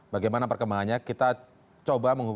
bagaimana perkembangannya kita coba